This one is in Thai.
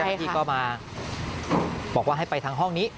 เจ้าหน้าที่ก็มาบอกว่าให้ไปทั้งห้องนี้